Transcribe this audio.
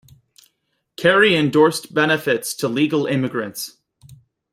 Kerry endorsed benefits to legal immigrants.